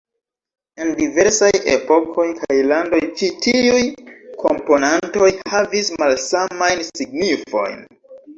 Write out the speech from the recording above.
En diversaj epokoj kaj landoj ĉi-tiuj komponantoj havis malsamajn signifojn.